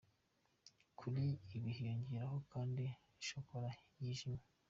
Kuri ibi hiyongeraho kandi ‘Chocolat yijimye.